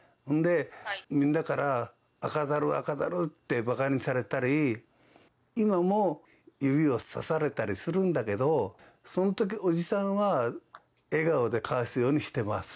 みんなから赤猿、赤猿ってばかにされたり、今も指をさされたりするんだけど、そのときおじさんは、笑顔で返すようにしてます。